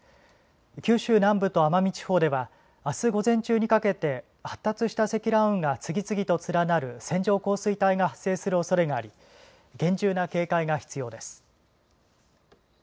九州南部と奄美地方ではあす午前中にかけて発達した積乱雲が次々と連なる線状降水帯が発生するおそれがあり厳重な警戒が必要です。